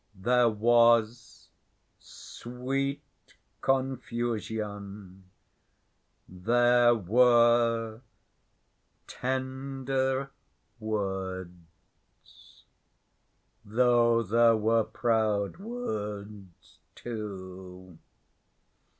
There was sweet confusion, There were tender words. Though there were proud words, too.